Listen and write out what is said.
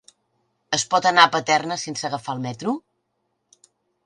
Es pot anar a Paterna sense agafar el metro?